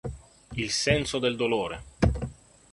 Il senso del dolore.